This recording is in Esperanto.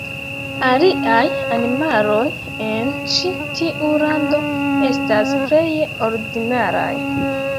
Aliaj animaloj en ĉi tiu lando estas pleje ordinaraj.